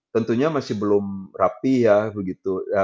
tentunya masih belum rapi ya begitu